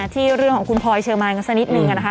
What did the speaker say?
ที่เรื่องของคุณพลอยเชอร์มานกันสักนิดนึงนะคะ